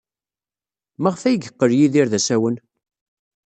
Maɣef ay yeqqel Yidir d asawen?